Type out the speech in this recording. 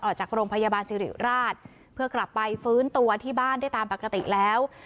ออกจากโรงพยาบาลสิริราชเพื่อกลับไปฟื้นตัวที่บ้านได้ตามปกติแล้ว